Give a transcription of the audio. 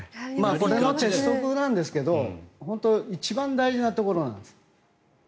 これが鉄則なんですが一番大事なところなんです。